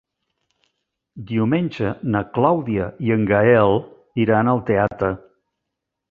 Diumenge na Clàudia i en Gaël iran al teatre.